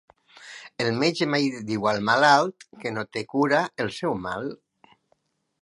El metge mai diu al malalt que no té cura el seu mal.